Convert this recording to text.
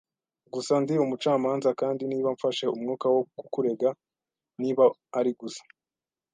gusa; Ndi umucamanza; kandi niba mfashe umwuka wo kukurega, niba ari gusa